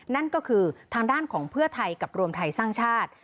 นั่นก็คือทางด้านของเพื่อไทยกับรวมไทยสร้างชาติ